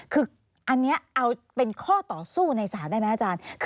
คืออันนี้เอาเป็นข้อต่อสู้ในศาลได้ไหมอาจารย์